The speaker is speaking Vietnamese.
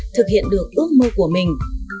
thực hiện được ước mơ của mình